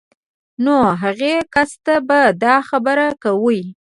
نو هغې کس ته به دا خبره کوئ